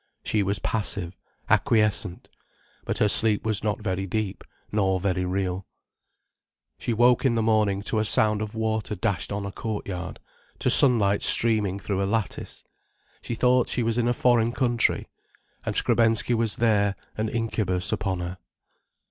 She was passive, acquiscent. But her sleep was not very deep nor very real. She woke in the morning to a sound of water dashed on a courtyard, to sunlight streaming through a lattice. She thought she was in a foreign country. And Skrebensky was there an incubus upon her.